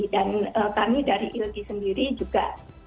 dan kami dari ilky sendiri juga